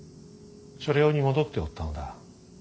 所領に戻っておったのだ。